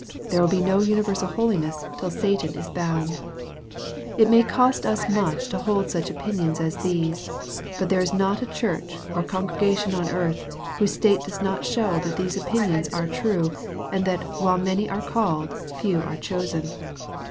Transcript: There will be no universal holiness till Satan is bound. It may cost us much to hold such opinions as these. But there is not a church or congregation on earth, whose state does not show that these opinions are true, and that while " many are called, few are chosen."